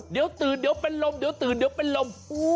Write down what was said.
เดี๋ยวตื่นเดี๋ยวเป็นลมเดี๋ยวตื่นเดี๋ยวเป็นลม